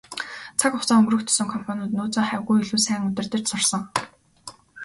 Цаг хугацаа өнгөрөх тусам компаниуд нөөцөө хавьгүй илүү сайн удирдаж сурсан.